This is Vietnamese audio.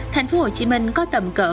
thành phố hồ chí minh có tầm cỡ